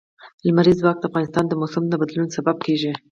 لمریز ځواک د افغانستان د موسم د بدلون سبب کېږي.